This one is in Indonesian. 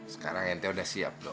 sekarang ente udah siap loh